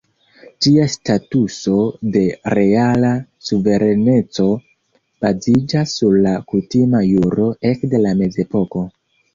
Ĝia statuso de reala suvereneco baziĝas sur la kutima juro ekde la Mezepoko.